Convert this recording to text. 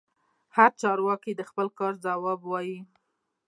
هر چارواکي د خپل کار ځواب وايي.